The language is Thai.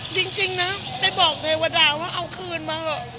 จริงนะไปบอกเทวดาว่าเอาคืนมาเถอะ